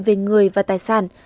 về người và tài sản